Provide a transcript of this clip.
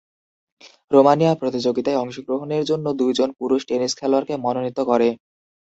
Romania প্রতিযোগিতায় অংশগ্রহণের জন্য দুইজন পুরুষ টেনিস খেলোয়াড়কে মনোনীত করে।